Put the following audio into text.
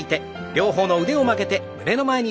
両方の腕を曲げて胸の前に。